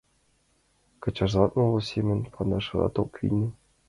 Кычалза, моло семын пашада ок вийне.